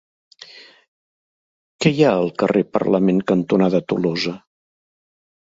Què hi ha al carrer Parlament cantonada Tolosa?